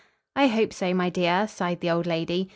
"I hope so, my dear," sighed the old lady.